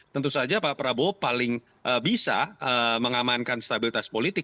tentu saja pak prabowo paling bisa mengamankan stabilitas politik